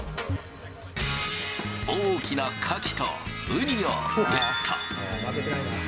大きなカキとウニをゲット。